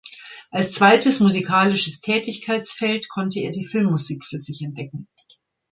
Als zweites musikalisches Tätigkeitsfeld konnte er die Filmmusik für sich entdecken.